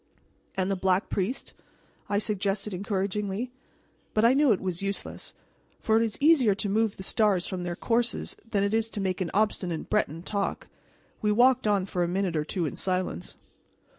"And the Black Priest?" I suggested encouragingly. But I knew it was useless; for it is easier to move the stars from their courses than to make an obstinate Breton talk. We walked on for a minute or two in silence.